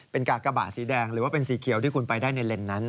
เป็นกากการ์บาสีแดงหรือว่าเป็นสีเขียวที่ในเล่นนั้น